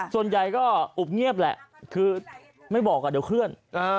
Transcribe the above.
ส่วนใหญ่ก็อุบเงียบแหละคือไม่บอกเดี๋ยวเคลื่อน